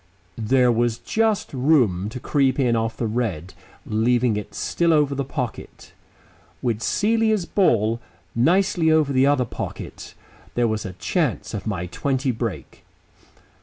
There was just room to creep in off the red, leaving it still over the pocket. With Celia's ball nicely over the other pocket there was a chance of my twenty break.